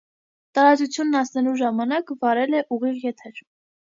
Տարածությունն անցնելու ժամանակ վարել է ուղիղ եթեր։